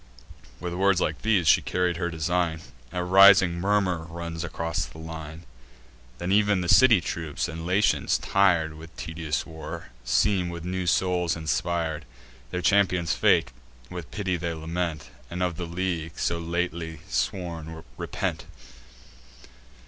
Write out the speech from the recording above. With words like these, she carried her design: A rising murmur runs along the line. Then ev'n the city troops, and Latians, tir'd With tedious war, seem with new souls inspir'd: Their champion's fate with pity they lament, And of the league, so lately sworn, repent.